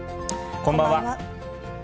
こんばんは。